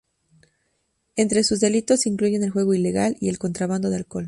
Entre sus delitos se incluyen el juego ilegal, y el contrabando de alcohol.